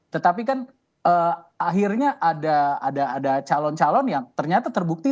tetapi kan akhirnya ada calon calon yang ternyata terbukti